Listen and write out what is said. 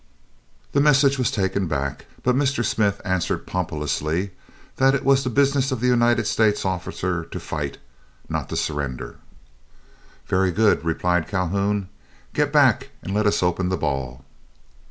The message was taken back, but Mr. Smith answered pompously that it was the business of United States officer to fight, not to surrender. "Very good," replied Calhoun, "get back and let us open the ball."